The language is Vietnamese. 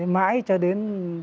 mãi cho đến